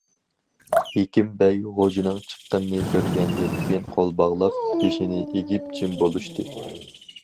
ھېكىم بەگ غوجىنىڭ چىققىنىنى كۆرگەندىن كېيىن قول باغلاپ، بېشىنى ئېگىپ جىم بولۇشتى.